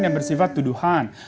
yang bersifat tuduhan